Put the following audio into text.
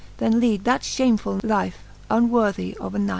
Then lead that fhamefuU life, unworthy of a knight.